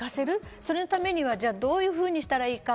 そのためには、どういうふうにしたらいいか。